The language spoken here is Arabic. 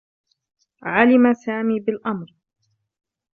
علم سامي بالأمر.